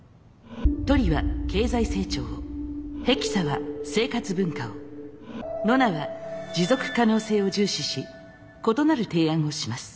トリは経済成長をヘキサは生活文化をノナは持続可能性を重視し異なる提案をします。